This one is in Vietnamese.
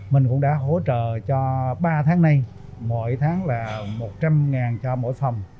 mình cũng đã hỗ trợ cho ba tháng nay mỗi tháng là một trăm linh cho mỗi phòng